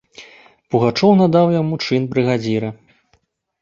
Пугачоў надаў яму чын брыгадзіра.